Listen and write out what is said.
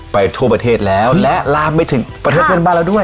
ทั่วประเทศแล้วและลามไปถึงประเทศเพื่อนบ้านแล้วด้วย